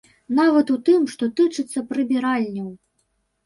Нават у тым, што тычыцца прыбіральняў.